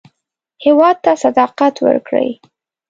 هېواد ته صداقت ورکړئ